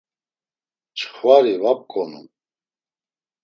Çxvari va pǩonum.